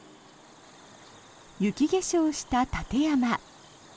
雪化粧した立山。